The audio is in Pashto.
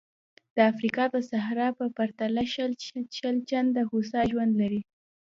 د افریقا د صحرا په پرتله شل چنده هوسا ژوند لري.